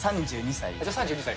３２歳。